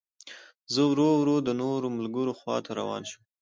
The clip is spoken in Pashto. زه ورو ورو د نورو ملګرو خوا ته روان شوم.